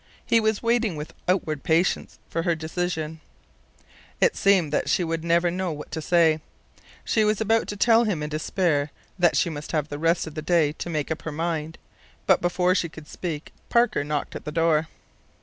He was waiting with outward patience for her decision. It seemed that she would never know what to say. She was about to tell him in despair that she must have the rest of the day to make up her mind, but before she could speak Parker knocked at the door.